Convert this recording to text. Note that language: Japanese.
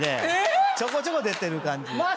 ちょこちょこ出てる感じ。